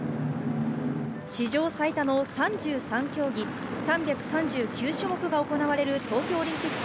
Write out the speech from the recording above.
史上最多の３３競技、３３９種目が行われる東京オリンピック。